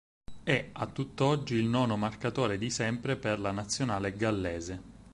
È a tutt'oggi il nono marcatore di sempre per la nazionale gallese.